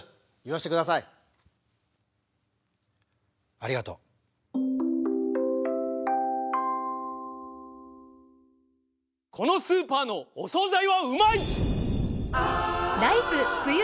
改めましてこのスーパーのお総菜はうまい！